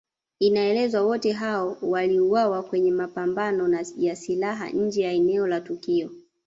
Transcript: Inaelezwa wote hao waliuawa kwenye mapambano ya silaha nje ya eneo la tukio